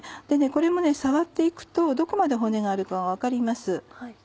これも触って行くとどこまで骨があるかが分かります。